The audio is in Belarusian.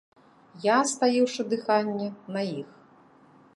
Я, стаіўшы дыханне, на іх.